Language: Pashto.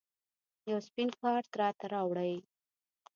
یو سپین کارت راته راوړئ